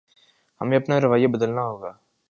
ہمیں اپنا رویہ بدلنا ہوگا۔